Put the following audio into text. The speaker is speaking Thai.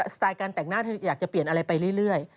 สไตล์การแต่งหน้าเธออยากจะเปลี่ยนอะไรไปเรื่อย